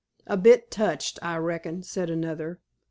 "A bit touched, I reckon," said another.